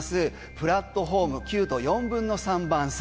プラットフォーム９と４分の３番線。